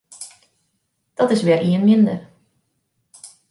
Dat is wer ien minder.